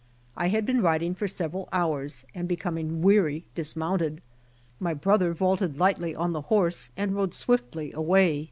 I had been riding for several hours and becoming weary dismounted. My brother vaulted lightly on the horse and rode swiftly away.